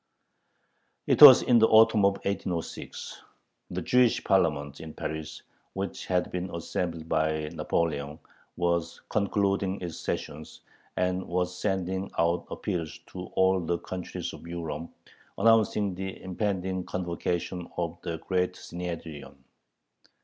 It was in the autumn of 1806. The "Jewish Parliament" in Paris, which had been assembled by Napoleon, was concluding its sessions, and was sending out appeals to all the countries of Europe announcing the impending convocation of the "Great Synhedrion."